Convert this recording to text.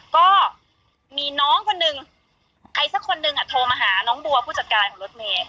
ก็มีน้องคนหนึ่งใครสักคนหนึ่งโทรมาหาน้องบัวผู้จัดการของรถเมย์